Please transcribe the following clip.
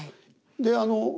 であの